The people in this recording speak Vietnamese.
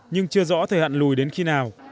nhưng chưa rõ thời hạn lùi đến khi nào